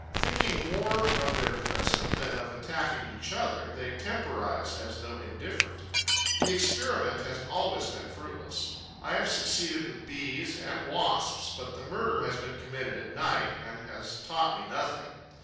Thinking more of their prison than of attacking each other, they temporize, as though indifferent. The experiment has always been fruitless. I have succeeded with Bees and Wasps, but the murder has been committed at night and has taught me nothing.